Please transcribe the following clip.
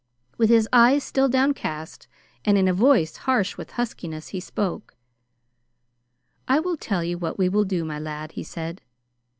With his eyes still downcast, and in a voice harsh with huskiness, he spoke. "I will tell you what we will do, my lad," he said.